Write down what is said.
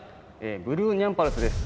ブルーニャンパルスです。